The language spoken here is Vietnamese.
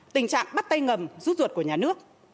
tình trạng bắt tay ngầm rút ruột của nhà nước